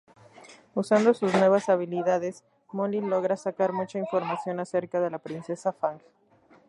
Usando sus nuevas habilidades, molly logra sacar mucha información acerca de la princesa Fang.